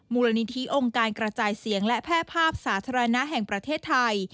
มูลนิธิองค์การกระจายเสียงและแพร่ภาพสาธารณะแห่งประเทศไทย